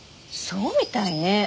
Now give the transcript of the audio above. そうみたいね。